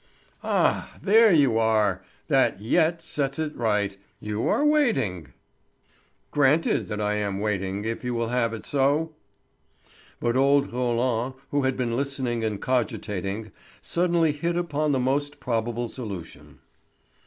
"Ah, there you are! That 'yet' sets it right; you are waiting." "Granted that I am waiting, if you will have it so." But old Roland, who had been listening and cogitating, suddenly hit upon the most probable solution.